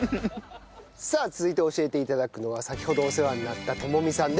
さあ続いて教えて頂くのは先ほどお世話になった知美さんです。